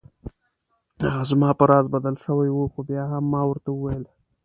هغه زما په راز بدل شوی و خو بیا هم ما ورته وویل.